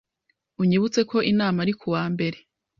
Unyibutse ko inama ari kuwa mbere.